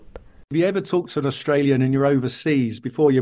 apakah anda pernah berbicara dengan orang australia dan anda di luar negara sebelumnya